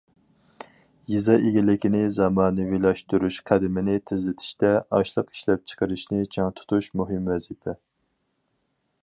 يېزا ئىگىلىكىنى زامانىۋىلاشتۇرۇش قەدىمىنى تېزلىتىشتە، ئاشلىق ئىشلەپچىقىرىشنى چىڭ تۇتۇش مۇھىم ۋەزىپە.